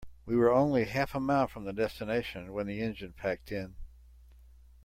We were only half a mile from the destination when the engine packed in.